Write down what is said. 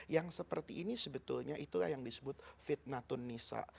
yang seperti ini sebetulnya itulah yang disebut fitnatun nisa